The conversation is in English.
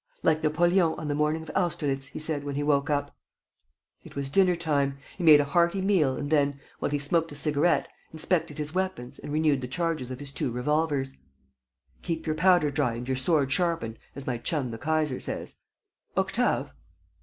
"Like Napoleon on the morning of Austerlitz," he said, when he woke up. It was dinner time. He made a hearty meal and then, while he smoked a cigarette, inspected his weapons and renewed the charges of his two revolvers: "Keep your powder dry and your sword sharpened, as my chum the Kaiser says. Octave!"